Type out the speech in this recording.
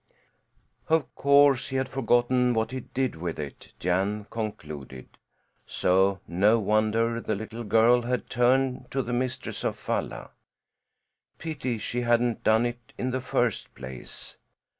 Of course he had forgotten what he did with it, Jan concluded. So, no wonder the little girl had turned to the mistress of Falla. Pity she hadn't done it in the first place!